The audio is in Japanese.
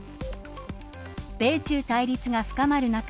米中対立が深まる中